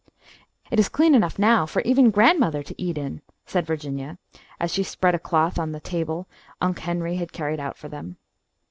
"It is clean enough now for even grandmother to eat in," said Virginia, as she spread a cloth on the table Unc' Henry had carried out for them.